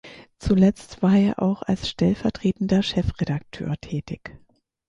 Zuletzt war er auch als stellvertretender Chefredakteur tätig.